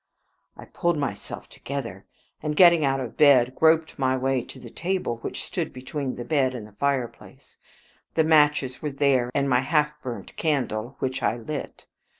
I pulled myself together, and getting out of bed, groped my way to the table which stood between the bed and the fireplace. The matches were there, and my half burnt candle, which I lit.